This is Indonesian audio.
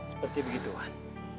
seperti begitu wan